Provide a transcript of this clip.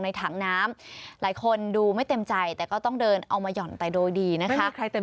นี่อย่างนี้มันทำโทษหนักไปไหม